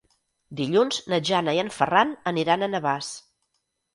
Dilluns na Jana i en Ferran aniran a Navàs.